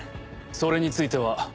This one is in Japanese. それについては。